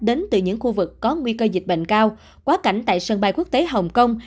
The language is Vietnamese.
đến từ những khu vực có nguy cơ dịch bệnh cao quá cảnh tại sân bay quốc tế hồng kông